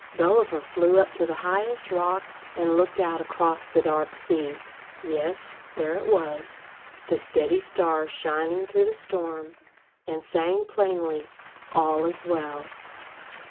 Gulliver flew up to the highest rock, and looked out across the dark sea. Yes, there it was, the steady star shining through the storm, and saying plainly, "All is well."